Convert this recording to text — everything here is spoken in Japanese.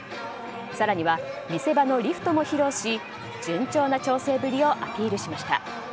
更には見せ場のリフトも披露し順調な調整ぶりをアピールしました。